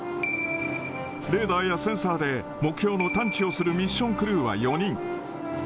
レーダーやセンサーで目標の探知をするミッションクルーは４人。